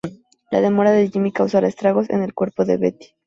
La demora de Jimmy causará estragos en el cuerpo de Betty.